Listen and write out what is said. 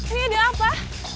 ini ada apa